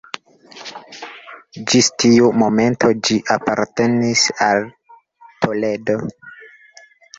Ĝis tiu momento ĝi apartenis al Toledo.